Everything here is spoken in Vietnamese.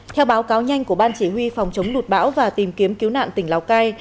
theo báo cáo nhanh của ban chỉ huy phòng chống lụt bão và tìm kiếm cứu nạn tỉnh lào cai